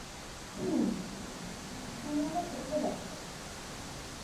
তুমি আবার কোথায় যাচ্ছো?